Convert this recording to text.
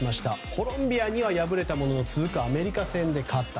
コロンビアには敗れたものの続くアメリカ戦で勝った。